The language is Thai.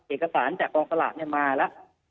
เอกสารจากกองสลากมาแล้ว